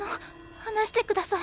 放してください。